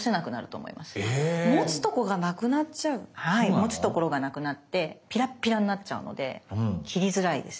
持つところがなくなってピラッピラになっちゃうので切りづらいです